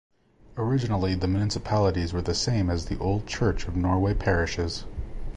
Originally the municipalities were the same as the old Church of Norway parishes.